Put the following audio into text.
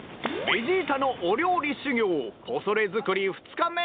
ベジータのお料理修業ポソレ作り２日目。